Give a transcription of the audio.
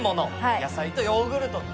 野菜とヨーグルト。